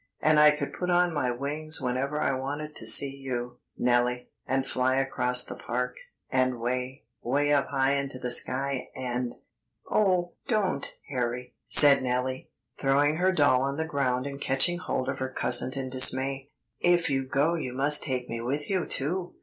And I could put on my wings whenever I wanted to see you, Nellie, and fly across the park, and way, way up into the sky, and " "Oh, don't! Harry," said Nellie, throwing her doll on the ground and catching hold of her cousin in dismay; "if you go you must take me with you too.